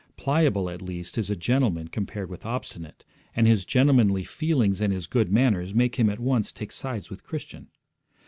Pliable, at least, is a gentleman compared with Obstinate, and his gentlemanly feelings and his good manners make him at once take sides with Christian.